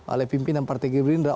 oleh pimpinan partai gerindra